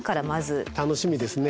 楽しみですね。